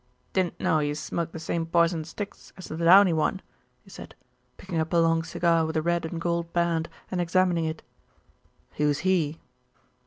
"Didn't know you smoked the same poison sticks as the 'Downy One,'" he said, picking up a long cigar with a red and gold band, and examining it. "Who's he?"